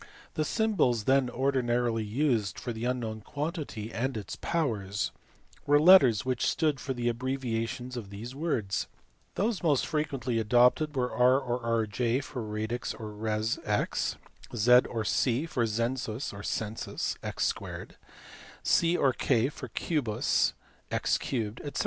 The symbols then ordinarily used for the unknown quantity and its powers were letters which stood for abbreviations of the words. Those most frequently adopted were R or Rj for radix or res (x\ Z or C for zensus or census (or 2 ), C or K for cid)us (x 3 ) y &c.